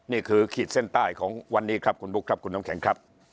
นี่คือขีดเส้นใต้ของวันนี้ครับคุณพุกครับคุณน้องแข็งครับ